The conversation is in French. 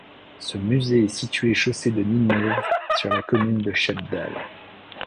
Ce musée est situé chaussée de Ninove sur la commune de Schepdaal.